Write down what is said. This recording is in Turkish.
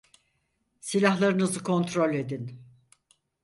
Silahlarınızı kontrol edin.